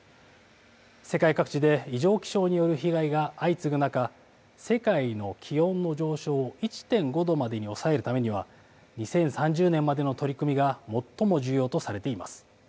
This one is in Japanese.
世界各地で異常気象による被害が相次ぐ中、世界の気温の上昇を１．５度までに抑えるためには、２０３０年までの取り組みが最も重要とされています。